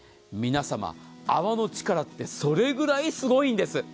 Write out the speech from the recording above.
皆様、泡の力ってそれくらいすごいんです。